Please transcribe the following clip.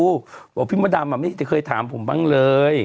บอกว่าพี่มดดำไม่เคยทำผมบ้างเลย